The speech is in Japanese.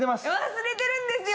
忘れてるんですよ。